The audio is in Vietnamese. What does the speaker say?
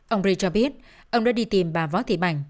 ông ri cho biết ông đã đi tìm bà vợ chị bảnh